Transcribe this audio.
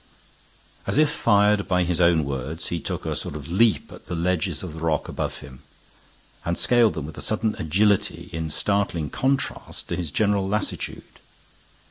As if fired by his own words, he took a sort of leap at the ledges of the rock above him, and scaled them with a sudden agility in startling contrast to his general lassitude.